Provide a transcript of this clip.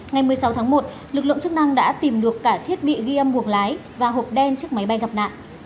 ngày một mươi sáu tháng một lực lượng chức năng đã tìm được cả thiết bị ghi âm buồng lái và hộp đen chiếc máy bay gặp nạn